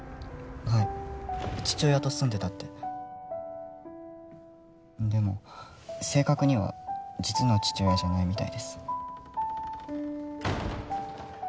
はい父親と住んでたってでも正確には実の父親じゃないみたいです